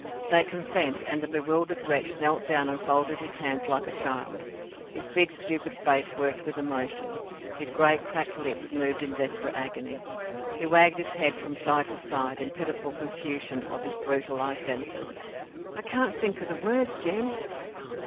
They consent, and the bewildered wretch knelt down and folded his hands like a child. His big, stupid face worked with emotion. His great cracked lips moved in desperate agony. He wagged his head from side to side, in pitiful confusion of his brutalized senses. "I can't think o' the words, Jem!"